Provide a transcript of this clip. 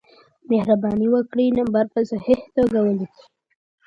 مهربانې وکړه نمبر په صحیح توګه ولېکه